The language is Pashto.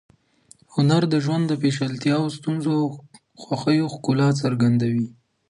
هنر د ژوند د پیچلتیاوو، ستونزو او خوښیو ښکلا څرګندوي.